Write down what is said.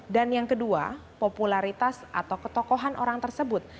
dan yang kedua popularitas atau ketokohan orang tersebut